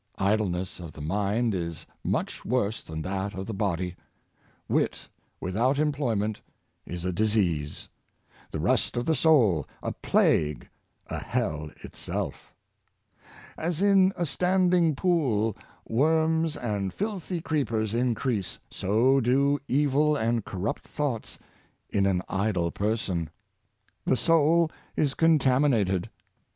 Idleness of the mind is much worse than that of the body: wit, without employment, is a disease — the rust of the soul, a plague, a hell itself As in a standing pool, worms and filthy creepers increase, so do evil and corrupt thoughts in an idle person; the soul is contaminated.